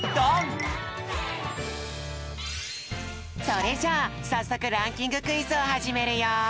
それじゃあさっそくランキングクイズをはじめるよ！